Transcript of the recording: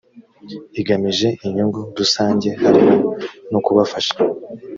igamije inyungu rusange harimo no kubafasha